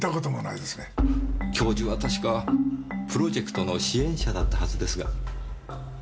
教授は確かプロジェクトの支援者だったはずですが。